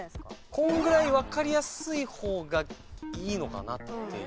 このぐらいわかりやすい方がいいのかなっていう。